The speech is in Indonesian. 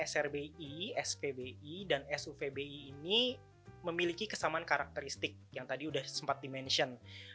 srbi svbi dan sufbi ini memiliki kesamaan karakteristik yang tadi sudah sempat dimention